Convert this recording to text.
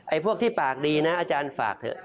พวกที่ปากดีนะอาจารย์ฝากเถอะ